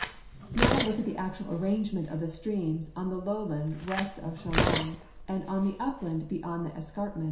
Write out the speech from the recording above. Now, look at the actual arrangement of the streams on the low land west of Chidons and on the upland be}'ond the escarpment.